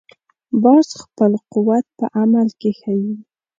باز خپل قوت په عمل کې ښيي